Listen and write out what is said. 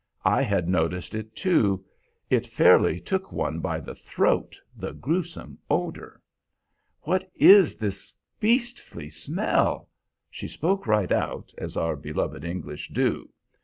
I had noticed it too; it fairly took one by the throat, the gruesome odor. "What is this beastly smell?" She spoke right out, as our beloved English do.